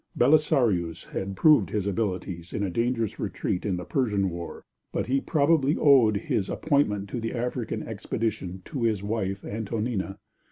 Belisarius had proved his abilities in a dangerous retreat in the Persian war, but he probably owed his appointment to the African expedition to his wife Antonina.